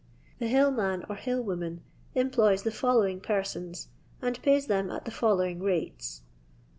The hill man or hill woman employs the follow ing persons, and pays them at the following rates.